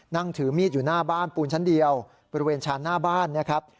นั่งถือมีดอยู่หน้าบ้านปูนชั้นเดียวบริเวณชานหน้าบ้านนะครับ